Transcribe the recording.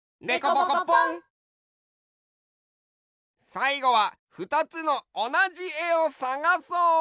さいごはふたつのおなじえをさがそう！